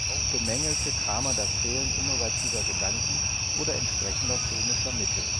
Auch bemängelte Kramer das Fehlen innovativer Gedanken oder entsprechender filmischer Mittel.